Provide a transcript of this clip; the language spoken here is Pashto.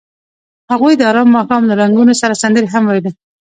هغوی د آرام ماښام له رنګونو سره سندرې هم ویلې.